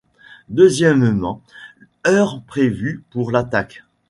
Deuxièmement, heure prévue pour l'attaque.